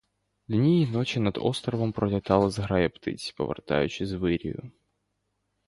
Дні і ночі над островом пролітали зграї птиць, повертаючись з вирію.